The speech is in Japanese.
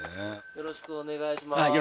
よろしくお願いします。